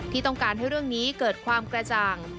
ที่ต้องการให้เรื่องนี้เกิดความกระจ่าง